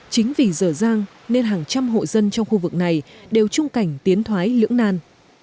tỉ dở gian nên hàng trăm hội dân trong khu vực này đều trung cảnh tiến thoái lưỡng nàn